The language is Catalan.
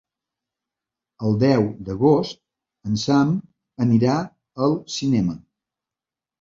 El deu d'agost en Sam anirà al cinema.